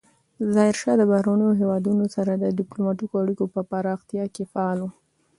ظاهرشاه د بهرنیو هیوادونو سره د ډیپلوماتیکو اړیکو په پراختیا کې فعال و.